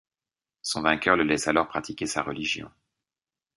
Son vainqueur le laisse alors pratiquer sa religion.